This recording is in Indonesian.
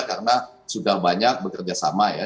karena sudah banyak bekerja sama ya